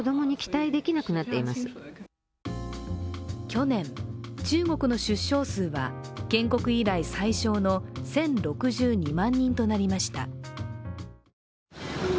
去年、中国の出生数は建国以来最少の１０６２万人となりました。